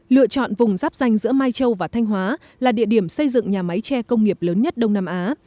lựa chọn vùng giáp danh giữa mai châu và thanh hóa là địa điểm xây dựng nhà máy tre công nghiệp lớn nhất đông nam á